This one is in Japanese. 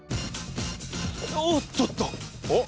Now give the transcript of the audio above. おっとっとおっ！